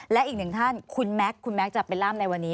และอีกหนึ่งท่านคุณแม็กซ์คุณแม็กซจะเป็นร่ามในวันนี้